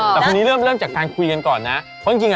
ต้องที่ชอบกดดูแลตัวเอง